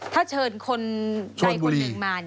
ถ้าเชิญใครคนหนึ่งมา